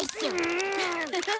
ぬ！ハハハ。